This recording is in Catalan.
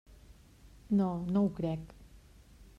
No, no ho crec.